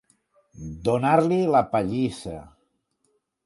Donar-li la pallissa.